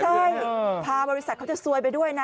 ใช่พาบริษัทเขาจะซวยไปด้วยนะ